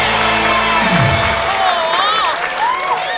อ่อโห